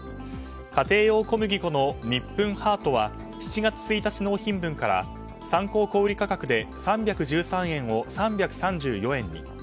家庭用小麦粉のニップンハートは７月１日納品分から参考小売価格で３１３円を３３４円に。